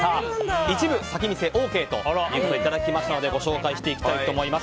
一部、先見せＯＫをいただきましたのでご紹介していきたいと思います。